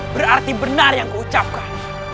berarti benar yang kuucapkan